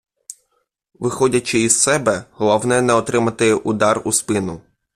Виходячи із себе, головне не отримати удар у спину.